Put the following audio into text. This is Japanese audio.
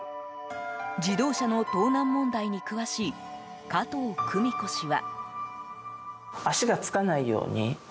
自動車の盗難問題に詳しい加藤久美子氏は。